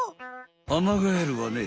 アマガエルはね